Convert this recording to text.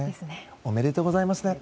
おめでとうございますだね。